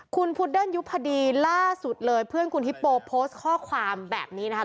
คุณพุดเดิ้ลยุพดีล่าสุดเลยเพื่อนคุณฮิปโปโพสต์ข้อความแบบนี้นะครับ